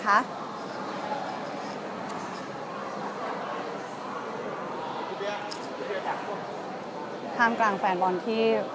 ถ้าไม่